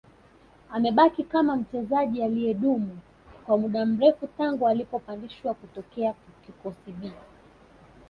Amebaki kama mchezaji aliyedumu kwa muda mrefu tangu alipopandishwa kutokea kikosi B